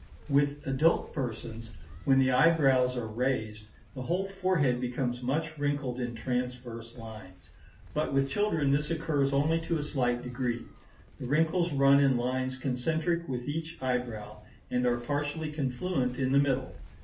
With adult persons, when the eyebrows are raised, the whole forehead becomes much wrinkled in transverse lines; but with children this occurs only to a slight degree. The wrinkles run in lines concentric with each eyebrow, and are partially confluent in the middle.